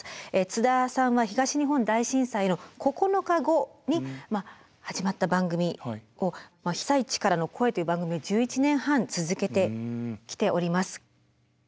津田さんは東日本大震災の９日後に始まった番組を「被災地からの声」という番組を１１年半続けてきております。